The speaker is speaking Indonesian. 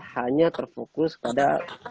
hanya terfokus pada